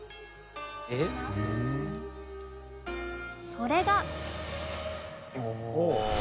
それが。